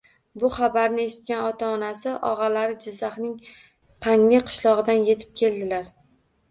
Bu xabarni eshitgan ota-onasi, og‘alari Jizzaxning Qangli qishlog‘idan yetib keldilar